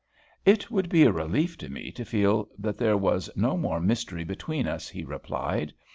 "It would be a relief to me to feel that there was no more mystery between us," he replied.